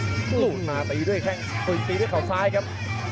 ซื่อมาถึงส่วนอีกด้วยเขล่าที่เป็นขาวซ้ายครับ